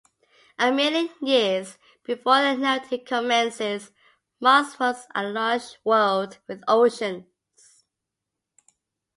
A million years before the narrative commences, Mars was a lush world with oceans.